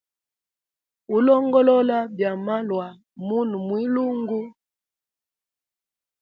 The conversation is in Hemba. Ulongolola byamalwa munwe mwilungu.